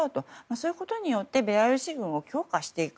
そういうことによってベラルーシ軍を強化していく